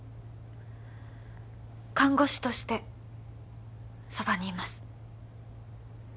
看護師としてそばにいます